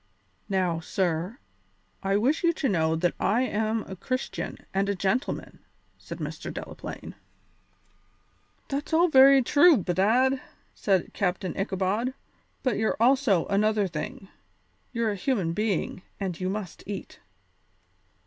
"Now, sir, I wish you to know that I am a Christian and a gentleman," said Mr. Delaplaine. "That's all very true, bedad," said Captain Ichabod, "but you're also another thing; you're a human being, and you must eat."